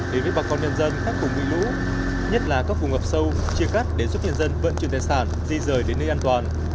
đến với bà con nhân dân khắc phục mưa lũ nhất là các vùng ngập sâu chia cắt để giúp nhân dân vận chuyển tài sản di rời đến nơi an toàn